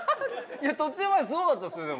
いや途中まですごかったですよでも。